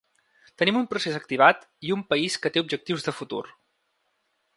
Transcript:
Tenim un procés activat i un país que té objectius de futur.